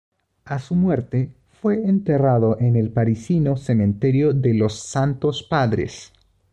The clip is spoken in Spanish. A su muerte fue enterrado en el parisino cementerio de los Santos Padres.